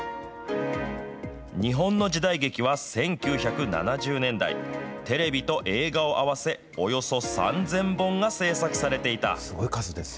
日本の時代劇は１９７０年代、テレビと映画を合わせ、およそ３０００本が制作されていた。